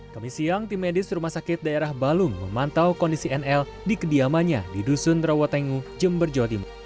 kami siang tim medis rumah sakit daerah balung memantau kondisi nl di kediamannya di dusun rawotengu jember jawa timur